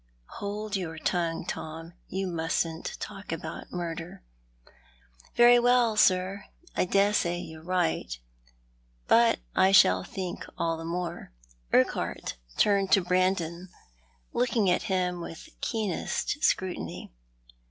" Hold your tongue, Tom ; you mustn't talk about murder." " Very well, sir ; I dessay you're right, but I shall think all the more." Urquhart turned to Brandon, looking at him with keenest scrutiny.